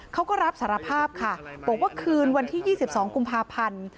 เขาก็รับสารภาพค่ะบอกว่าคืนวันที่๒๒กุมภาพันธ์